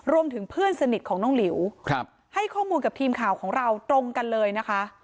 เพื่อนสนิทของน้องหลิวให้ข้อมูลกับทีมข่าวของเราตรงกันเลยนะคะ